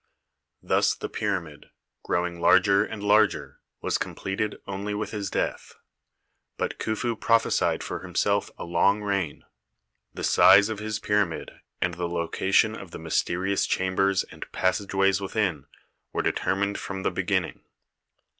Thus the pyramid, growing larger and larger, was completed only with his death. But Khufu prophesied for himself a long reign. The size of his pyramid and the location of the mys terious chambers and passageways within were determined from the beginning.